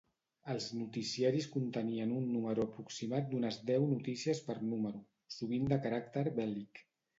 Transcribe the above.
Els noticiaris contenien un número aproximat d’unes deu notícies per número, sovint de caràcter bèl·lic.